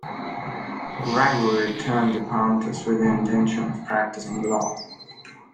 Gregory returned to Pontus with the intention of practising law.